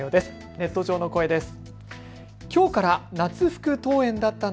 ネット上の声です。